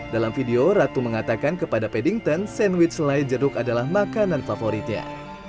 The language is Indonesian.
dalam video ratu mengatakan kepada paddington sandwich selai jeruk adalah makanan favoritnya